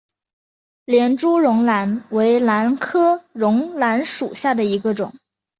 连珠绒兰为兰科绒兰属下的一个种。